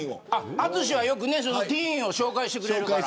淳はよくねティーンを紹介してくれるから。